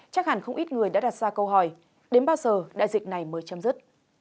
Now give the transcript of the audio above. chắc hẳn không ít người đã đặt ra câu hỏi đến bao giờ đại dịch này mới chấm dứt